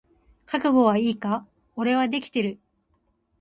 覚悟はいいか？俺はできてる。